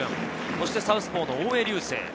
そしてサウスポーの大江竜聖。